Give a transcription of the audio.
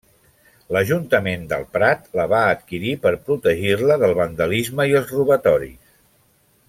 L'Ajuntament del Prat la va adquirir per protegir-la del vandalisme i els robatoris.